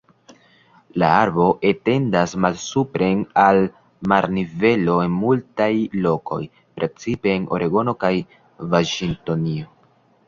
La arbo etendas malsupren al marnivelo en multaj lokoj, precipe en Oregono kaj Vaŝingtonio.